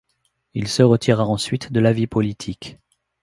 Il se retira ensuite de la vie politique.